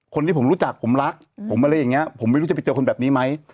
คนที่ผมรู้จักผมรักผมอะไรอย่างนี้ผมไม่รู้จะไปเจอคนแบบนี้ไหม